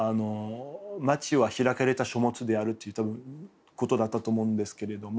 「街は開かれた書物である」といったことだったと思うんですけれども。